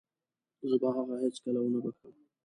زه به هغه هيڅکله ونه وبښم.